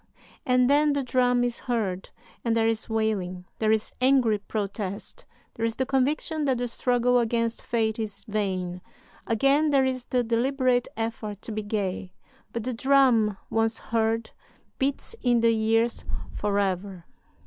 And then the drum is heard, and there is wailing, there is angry protest, there is the conviction that the struggle against Fate is vain. Again there is the deliberate effort to be gay, but the drum once heard beats in the ears forever.